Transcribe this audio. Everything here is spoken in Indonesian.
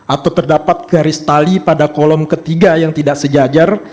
atau terdapat garis tali pada kolom ketiga yang tidak sejajar